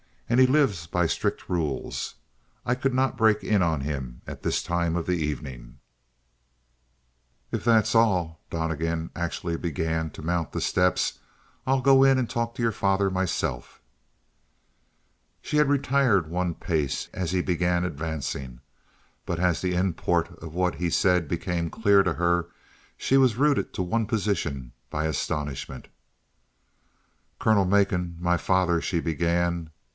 "And he lives by strict rules. I could not break in on him at this time of the evening." "If that's all" Donnegan actually began to mount the steps "I'll go in and talk to your father myself." She had retired one pace as he began advancing, but as the import of what he said became clear to her she was rooted to one position by astonishment. "Colonel Macon my father " she began.